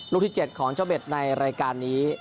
ที่๗ของเจ้าเบ็ดในรายการนี้